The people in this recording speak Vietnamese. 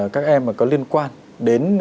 các em có liên quan đến